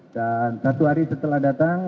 dan satu hari setelah datang